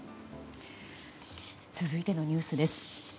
続いてのニュースです。